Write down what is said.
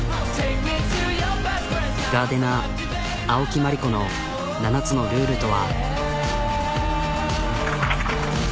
ガーデナー青木真理子の７つのルールとは。